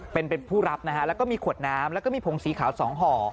เป็นเป็นผู้รับนะฮะแล้วก็มีขวดน้ำแล้วก็มีผงสีขาว๒ห่อ